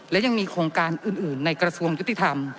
และยังมีโครงการอื่นในกระทรวงยุติธรรม